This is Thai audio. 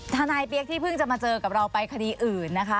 นายกเปี๊ยกที่เพิ่งจะมาเจอกับเราไปคดีอื่นนะคะ